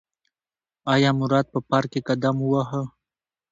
ایا مراد په پار ک کې قدم وواهه؟